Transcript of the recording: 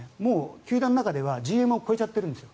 球団の中ではＧＭを超えちゃってるんです。